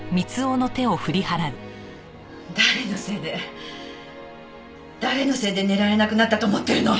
誰のせいで誰のせいで寝られなくなったと思ってるの！